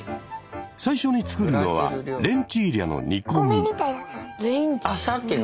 最初に作るのはレンチーリャの煮込み。